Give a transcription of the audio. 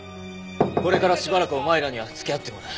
これからしばらくお前らには付き合ってもらう。